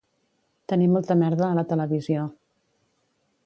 Tenir molta merda a la televisió